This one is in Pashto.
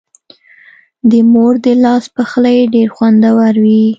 د مور د لاس پخلی ډېر خوندور وي.